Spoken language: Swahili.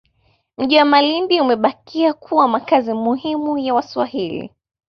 Mji wa Malindi Umebakia kuwa makazi muhimu ya Waswahili